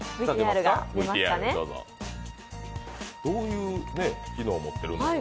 どういう機能を持ってるんでしょう。